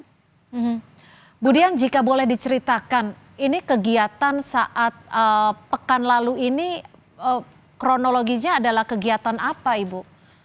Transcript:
kemudian jika boleh diceritakan ini kegiatan saat pekan lalu ini kronologinya adalah kegiatan apa ibu